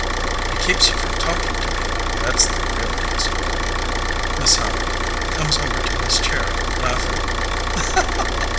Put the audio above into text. } It keeps you from talking to me. That s the real music. MISS HOWARD (comes over to his chair laughing).